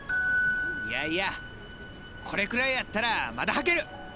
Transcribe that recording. いやいやこれくらいやったらまだ履ける！